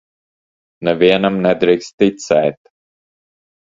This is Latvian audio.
Nevienam nedrīkst ticēt.